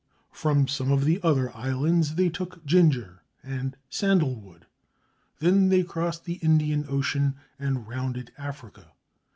From some of the other islands they took ginger and sandalwood. Then they crossed the Indian Ocean and rounded Africa.